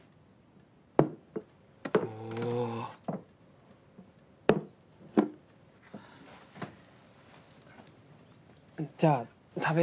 おお。じゃあ食べよう。